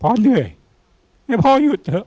พี่น้องรู้ไหมว่าพ่อจะตายแล้วนะ